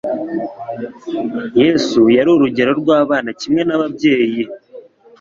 Yesu yari urugero rw'abana kimwe n'ababyeyi.